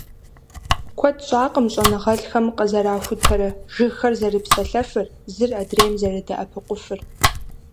Куэд щӀакъым щӀэныгъэлӀхэм къызэрахутэрэ - жыгхэр «зэрызэпсалъэфыр», зыр адрейм зэрыдэӀэпыкъуфыр.